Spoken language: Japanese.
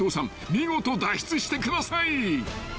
見事脱出してください］